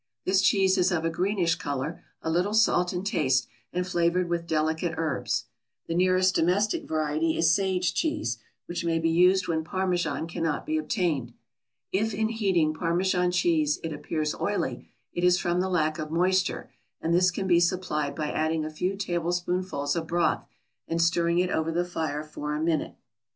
This cheese is of a greenish color, a little salt in taste and flavored with delicate herbs; the nearest domestic variety is sage cheese, which may be used when Parmesan can not be obtained. If in heating Parmesan cheese it appears oily, it is from the lack of moisture, and this can be supplied by adding a few tablespoonfuls of broth, and stirring it over the fire for a minute.